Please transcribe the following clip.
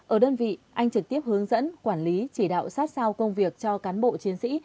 ở đơn vị anh trực tiếp hướng dẫn quản lý chỉ đạo sát sao công việc cho cán bộ chiến sĩ